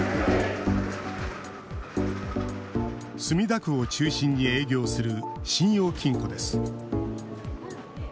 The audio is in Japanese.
墨田区を中心に営業する信用金庫です。